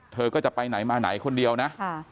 เธอก็จะไปไหนมาไหนคนเดียวนะ